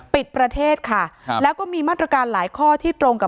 ปิดประเทศค่ะครับแล้วก็มีมาตรการหลายข้อที่ตรงกับ